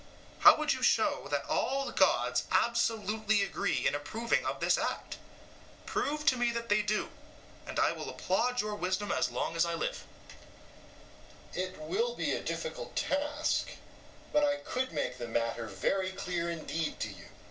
How would you show that all the gods absolutely agree in approving of his act? Prove to me that they do, and I will applaud your wisdom as long as I live. EUTHYPHRO: It will be a difficult task; but I could make the matter very clear indeed to you.